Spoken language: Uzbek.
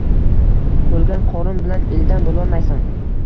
Toʻlgan qorin bilan ildam boʻlolmaysan